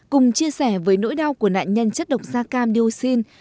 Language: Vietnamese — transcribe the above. cùng chia sẻ với nỗi đau của nạn nhân chất độc da cam niu xin